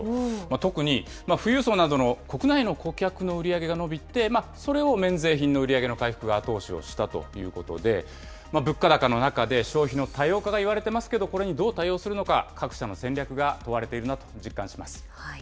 特に、富裕層などの国内の顧客の売り上げが伸びて、それを免税品の売り上げの回復が後押しをしたということで、物価高の中で、消費の多様化がいわれていますけれども、これにどう対応するのか、各社の戦略が問われているなと実感します。